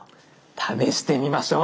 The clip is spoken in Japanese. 試してみましょう。